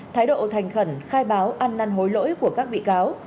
thái độ thành khẩn khai báo ăn năn hối lỗi của các bị cáo